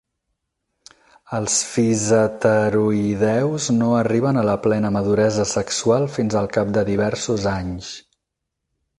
Els fiseteroïdeus no arriben a la plena maduresa sexual fins al cap de diversos anys.